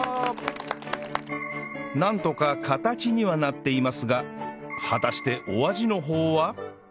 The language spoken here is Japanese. なんとか形にはなっていますが果たしてお味の方は？